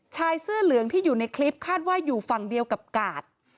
ชายเสื้อเหลืองที่อยู่ในคลิปคาดว่าอยู่ฝั่งเดียวกับกาด